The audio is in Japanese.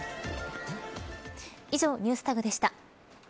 以上、ＮｅｗｓＴａｇでした。